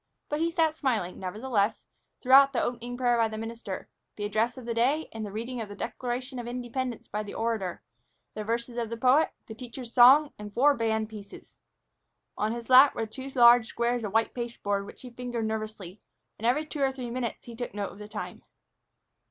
But he sat smiling, nevertheless, throughout the opening prayer by the minister, the address of the day and the reading of the Declaration of Independence by the orator, the verses of the poet, the teacher's song, and four band pieces. On his lap were two large squares of white pasteboard which he fingered nervously, and every two or three minutes he took note of the time.